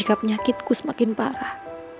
jika penyakitku semakin parah